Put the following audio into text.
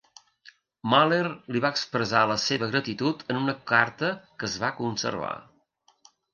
Mahler li va expressar la seva gratitud en una carta que es va conservar.